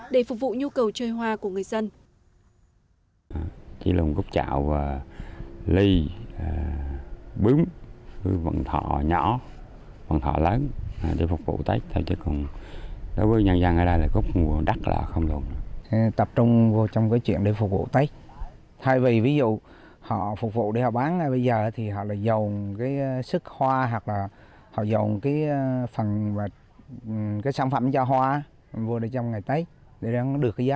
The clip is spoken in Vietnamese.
để phục vụ nhu cầu chơi hoa của người dân